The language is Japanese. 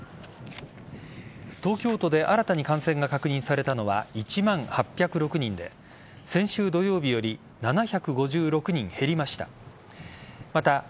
東京都で新たに感染が確認されたのは１万８０６人で先週土曜日より７５６人減りました。